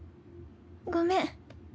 ごめん。